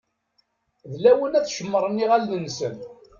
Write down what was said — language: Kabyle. D lawan ad cemmṛen iɣallen-nsen.